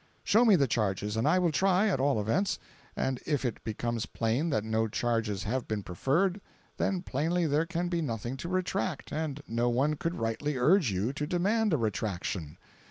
Show me the charges, and I will try, at all events; and if it becomes plain that no charges have been preferred, then plainly there can be nothing to retract, and no one could rightly urge you to demand a retraction.